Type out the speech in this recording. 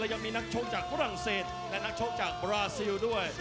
ยังมีนักชกจากฝรั่งเศสและนักชกจากบราซิลด้วย